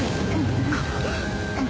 あっ！